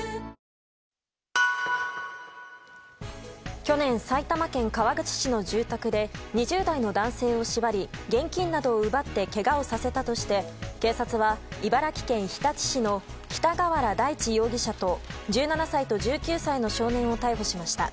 去年、埼玉県川口市の住宅で２０代の男性を縛り現金などを奪ってけがをさせたとして警察は茨城県日立市の北河原大地容疑者と１７歳と１９歳の少年を逮捕しました。